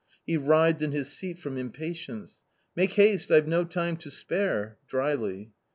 He writhed in his seat from impatience. " Make haste ! I've no time to spare !" drily.